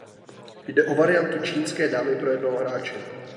Jde o variantu čínské dámy pro jednoho hráče.